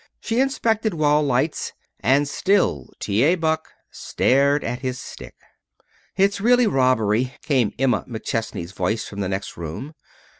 She inspected wall lights. And still T. A. Buck stared at his stick. "It's really robbery," came Emma McChesney's voice from the next room.